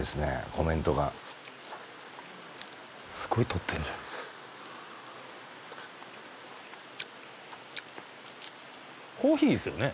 コメントがすごい撮ってんじゃんコーヒーですよね？